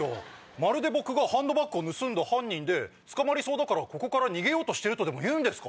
まるで僕がハンドバッグ盗んだ犯人で捕まりそうだからここから逃げようとしてるとでも言うんですか？